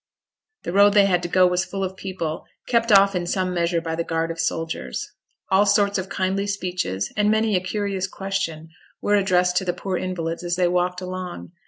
The road they had to go was full of people, kept off in some measure by the guard of soldiers. All sorts of kindly speeches, and many a curious question, were addressed to the poor invalids as they walked along.